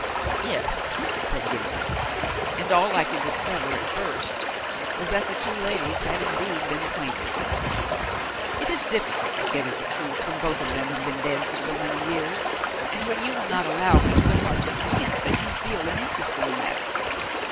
"Yes," said Gimblet, "and all I could discover at first was that the two ladies had indeed been acquainted. It is difficult to get at the truth when both of them have been dead for so many years, and when you will not allow me so much as to hint that you feel any interest in the matter.